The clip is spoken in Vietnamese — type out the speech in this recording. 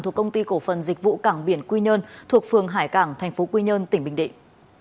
thuộc công ty cổ phần dịch vụ cảng biển quy nhơn thuộc phường hải cảng thành phố quy nhơn tỉnh bình định